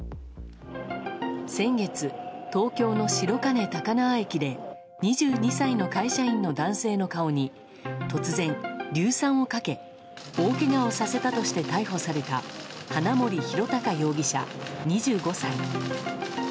先月、東京の白金高輪駅で２２歳の会社員の男性の顔に突然、硫酸をかけ大けがをさせたとして逮捕された花森弘卓容疑者、２５歳。